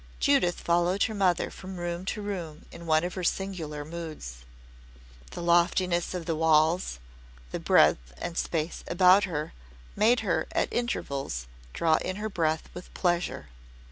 Judith followed her mother from room to room in one of her singular moods. The loftiness of the walls, the breadth and space about her made her, at intervals, draw in her breath with pleasure.